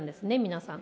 皆さん。